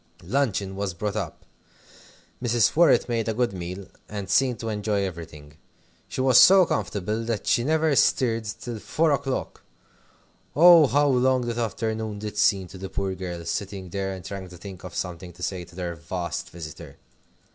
Luncheon was brought up. Mrs. Worrett made a good meal, and seemed to enjoy everything. She was so comfortable that she never stirred till four o'clock! Oh, how long that afternoon did seem to the poor girls, sitting there and trying to think of something to say to their vast visitor!